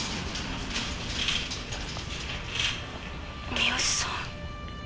三好さん。